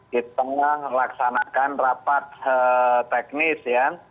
kita melaksanakan rapat teknis ya